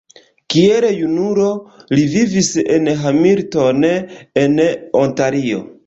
Kiel junulo li vivis en Hamilton en Ontario.